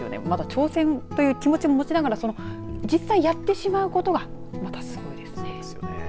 挑戦という気持ちも持ちながら実際、やってしまうことがまたすごいです。